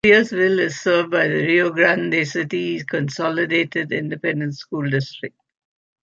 Garciasville is served by the Rio Grande City Consolidated Independent School District.